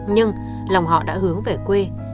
nhưng lòng họ đã hướng về quê